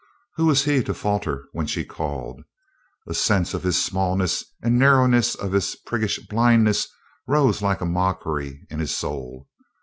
Who was he to falter when she called? A sense of his smallness and narrowness, of his priggish blindness, rose like a mockery in his soul.